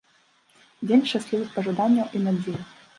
Дзень шчаслівых пажаданняў і надзей.